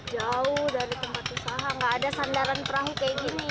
jauh dari tempat usaha gak ada sandaran perahu kayak gini